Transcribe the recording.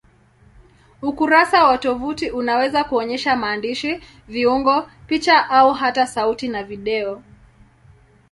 Ukurasa wa tovuti unaweza kuonyesha maandishi, viungo, picha au hata sauti na video.